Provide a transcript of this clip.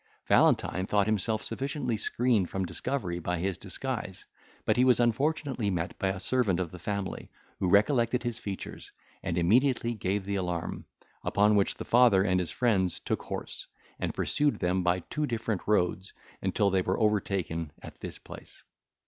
Valentine thought himself sufficiently screened from discovery by his disguise, but he was unfortunately met by a servant of the family, who recollected his features, and immediately gave the alarm, upon which the father and his friends took horse, and pursued them by two different roads, until they were overtaken at this place.